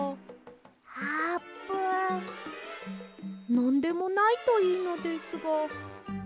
なんでもないといいのですが。